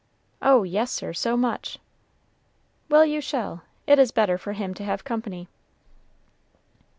"Oh, yes, sir, so much." "Well, you shall. It is better for him to have company."